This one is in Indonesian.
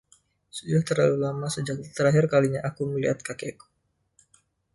Sudah terlalu lama sejak terakhir kalinya aku melihat kakekku.